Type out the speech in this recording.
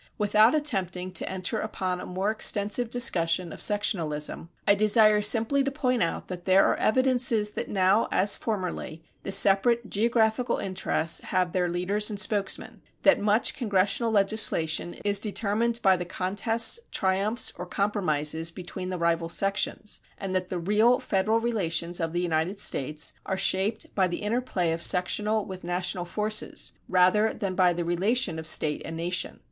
Without attempting to enter upon a more extensive discussion of sectionalism, I desire simply to point out that there are evidences that now, as formerly, the separate geographical interests have their leaders and spokesmen, that much Congressional legislation is determined by the contests, triumphs, or compromises between the rival sections, and that the real federal relations of the United States are shaped by the interplay of sectional with national forces rather than by the relation of State and Nation.